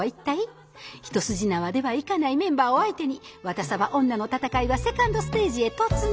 一筋縄ではいかないメンバーを相手に「ワタサバ女」の戦いはセカンドステージへ突入